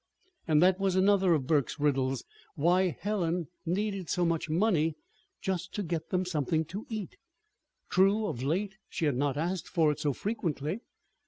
And that was another of Burke's riddles why Helen needed so much money just to get them something to eat. True, of late, she had not asked for it so frequently.